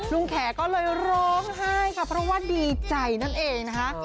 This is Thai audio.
แขก็เลยร้องไห้ค่ะเพราะว่าดีใจนั่นเองนะคะ